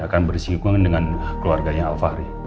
akan bersihkan dengan keluarganya al fahri